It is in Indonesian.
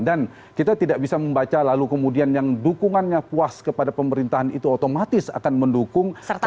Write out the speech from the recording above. dan kita tidak bisa membaca lalu kemudian yang dukungannya puas kepada pemerintahan itu otomatis akan mendukung capres serta merta